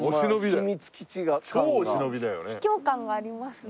秘境感がありますね。